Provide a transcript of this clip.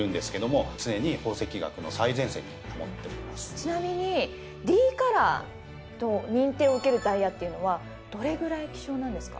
ちなみにＤカラーと認定を受けるダイヤっていうのはどれぐらい希少なんですか？